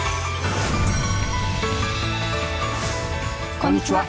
こんにちは。